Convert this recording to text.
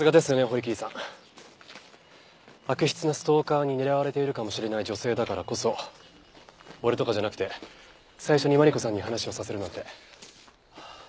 悪質なストーカーに狙われているかもしれない女性だからこそ俺とかじゃなくて最初にマリコさんに話をさせるなんて。